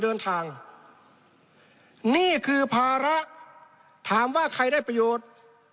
เดินทางนี่คือภาระถามว่าใครได้ประโยชน์